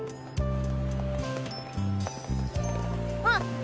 あ！